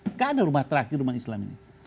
tidak ada rumah terakhir rumah islam ini